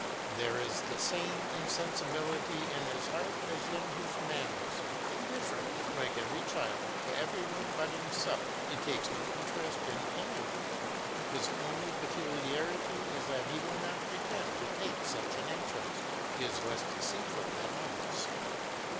There is the same insensibility in his heart as in his manners. Indifferent, like every child, to every one but himself, he takes no interest in any one; his only peculiarity is that he will not pretend to take such an interest; he is less deceitful than others.